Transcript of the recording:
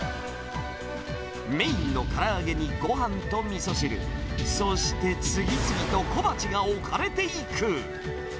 メインのから揚げにごはんとみそ汁、そして次々と小鉢が置かれていく。